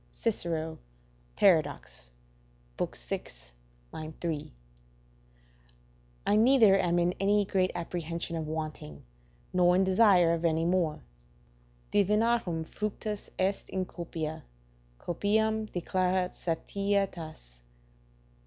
Cicero, Paradox., vi. 3.] I neither am in any great apprehension of wanting, nor in desire of any more: "Divinarum fructus est in copia; copiam declarat satietas."